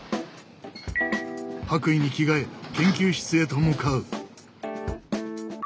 白衣に着替え研究室へと向かう。